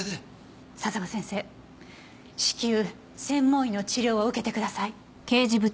佐沢先生至急専門医の治療を受けてください。